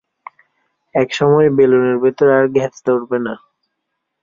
এক সময় বেলুনের ভেতর আর গ্যাস ধরবে না।